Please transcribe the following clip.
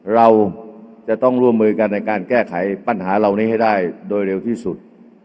เราจะต้องร่วมมือกันในการแก้ไขปัญหาเหล่านี้ให้ได้โดยเร็วที่สุด